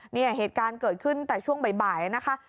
เหตุการณ์เกิดขึ้นแต่ช่วงบ่ายนะคะ